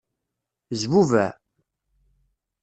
Zbubeɛ.